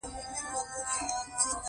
د شپې اور ته کښېنستلو.